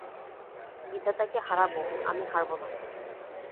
বিধাতাকে হারাব, আমি হারব না।